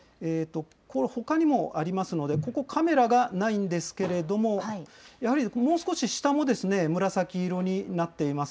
これ、ほかにもありますので、ここ、カメラがないんですけれども、やはりもう少し下も紫色になっています。